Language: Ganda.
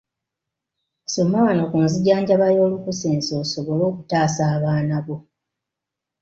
Soma wano ku nzijjanjaba y'olukusense osobole okutaasa abaana bo.